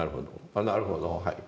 あなるほどはい。